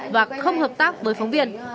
và không hợp tác với phóng viên